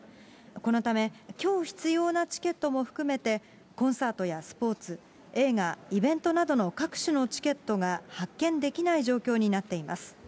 このため、きょう必要なチケットも含めて、コンサートやスポーツ、映画、イベントなどの各種のチケットが発券できない状況になっています。